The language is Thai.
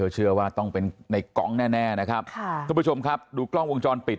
เชื่อว่าต้องเป็นในกองแน่นะครับค่ะทุกผู้ชมครับดูกล้องวงจรปิด